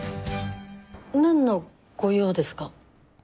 何のご用ですか？